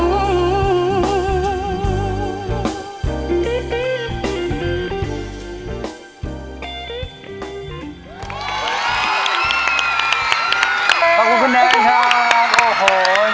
ขอบคุณคุณแนนค่ะโอ้โห